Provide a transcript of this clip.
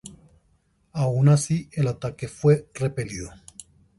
Aun así, el ataque fue repelido.